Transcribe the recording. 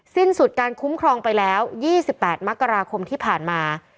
สิ้นสุดการคุ้มครองไปแล้ว๒๘มกราคมที่ผ่านมา